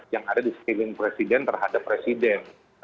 yang ada di sekeliling presiden terhadap presiden